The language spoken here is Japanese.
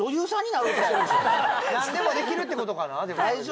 ・何でもできるってことかな